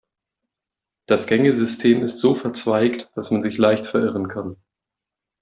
Das Gängesystem ist so verzweigt, dass man sich leicht verirren kann.